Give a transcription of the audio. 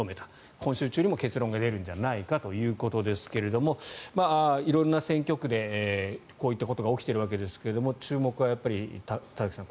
今週中にも結論が出るんじゃないかということですが色んな選挙区でこういったことが起きているわけですが注目はやっぱり田崎さん